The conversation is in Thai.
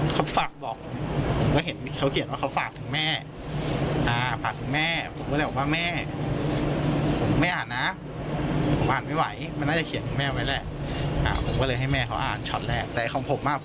เขาฝากบอกผมก็เห็นเขาเขียนเขาฝากถึงแม่